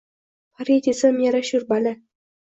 Pari desam yarashur, bali.